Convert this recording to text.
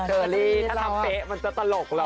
เชอรี่ถ้าทำเป๊ะมันจะตลกเหรอ